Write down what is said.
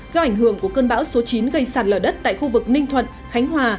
do ảnh hưởng của cơn bão số chín gây sạt lở đất tại khu vực ninh thuận khánh hòa